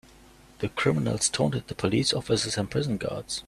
The criminals taunted the police officers and prison guards.